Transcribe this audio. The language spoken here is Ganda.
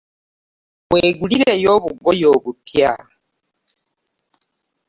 Wegulireyo obugoye obupya.